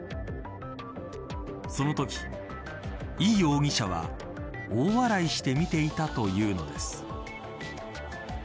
そのとき、イ容疑者は大笑いして見ていたというのです。